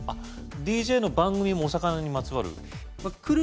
ＤＪの番組もおさかなにまつわる来る